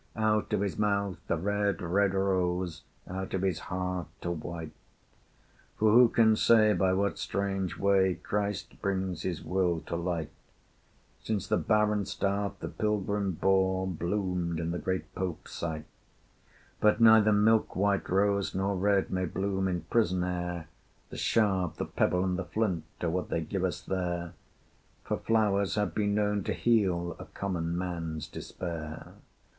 Out of his mouth a red, red rose! Out of his heart a white! For who can say by what strange way, Christ brings his will to light, Since the barren staff the pilgrim bore Bloomed in the great Pope's sight? But neither milk white rose nor red May bloom in prison air; The shard, the pebble, and the flint, Are what they give us there: For flowers have been known to heal A common man's despair.